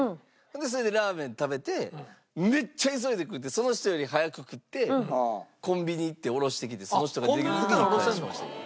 それでラーメン食べてめっちゃ急いで食ってその人より早く食ってコンビニ行って下ろしてきてその人が出てくる時に返しましたけど。